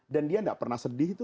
dan dia tidak pernah sedih itu